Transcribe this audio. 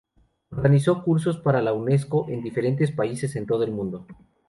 Organizó cursos para la Unesco en diferentes países en todo el mundo.